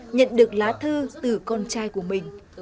nhận được lá thư từ con trai của mình